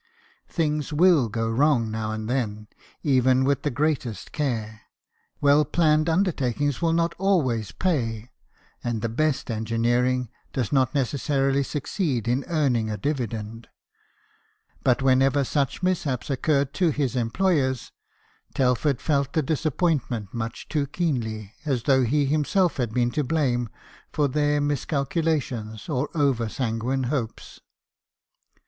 Things will go wrong now and then, even with the greatest care ; well planned undertakings will not always pay, and the best engineering does not necessarily succeed in earning a dividend ; but whenever such mishaps occurred to his employers, Telford felt the disappointment much too keenly, as though he himself had been to blame for their miscalculations or over sanguine hopes.